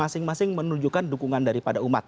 masing masing menunjukkan dukungan daripada umat